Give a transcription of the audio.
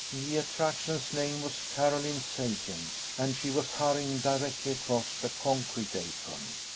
The attraction's name was Carolyn Sagen, and she was hurrying directly across the concrete apron.